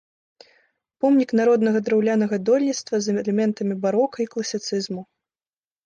Помнік народнага драўлянага дойлідства з элементамі барока і класіцызму.